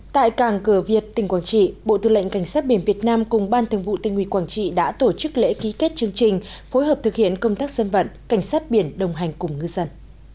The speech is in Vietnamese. tại cảng cửa việt tỉnh quảng trị bộ tư lệnh cảnh sát biển việt nam cùng ban thường vụ tỉnh ủy quảng trị đã tổ chức lễ ký kết chương trình phối hợp thực hiện công tác dân vận cảnh sát biển đồng hành cùng ngư dân